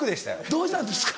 どうしたんですか？